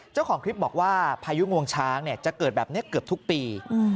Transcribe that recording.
เจ้าของคลิปบอกว่าพายุงวงช้างจะเกิดแบบนี้เกือบทุกปี